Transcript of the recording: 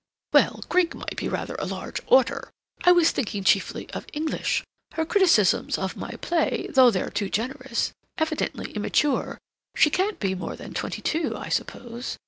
"Well, Greek may be rather a large order. I was thinking chiefly of English. Her criticisms of my play, though they're too generous, evidently immature—she can't be more than twenty two, I suppose?